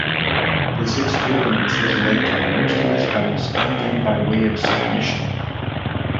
This experience has led to most of his bouts ending by way of submission.